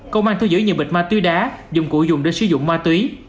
công an thu giữ nhiều bịch ma túy đá dụng cụ dùng để sử dụng ma túy